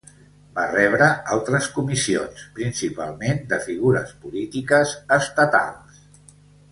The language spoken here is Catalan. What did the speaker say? Va rebre altres comissions, principalment de figures polítiques estatals.